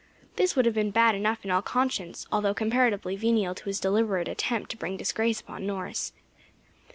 This would have been bad enough in all conscience, although comparatively venial to his deliberate attempt to bring disgrace upon Norris.